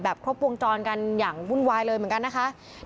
ครบวงจรกันอย่างวุ่นวายเลยเหมือนกันนะคะ